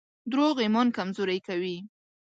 دروغ ایمان کمزوری کوي.